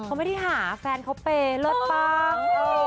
เขาไม่ได้หาแฟนเขาเปย์เลิศปัง